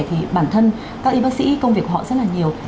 thì bản thân các y bác sĩ công việc của họ rất là nhiều